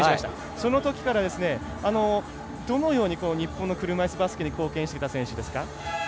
そのときからですねどのように日本の車いすバスケに貢献してきた選手ですか？